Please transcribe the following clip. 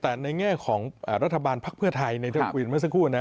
แต่ในแง่ของรัฐบาลพักเพื่อไทยในทางควีนเมื่อสักครู่นะ